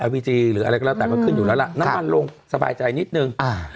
วีจีหรืออะไรก็แล้วแต่ก็ขึ้นอยู่แล้วล่ะน้ำมันลงสบายใจนิดนึง